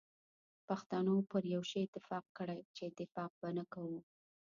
پښتنو پر یو شی اتفاق کړی چي اتفاق به نه کوو.